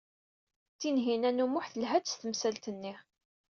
Tinhinan u Muḥ telha-d s temsalt-nni.